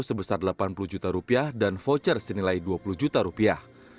sebesar rp delapan puluh juta dan voucher senilai rp dua puluh juta